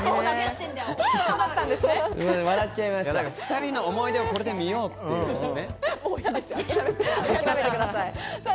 ２人の思い出をこれで見ようっていうね。